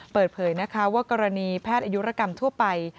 เปิดเผยนะคะว่ากรณีแพทย์อายุรกรรมทั่วไป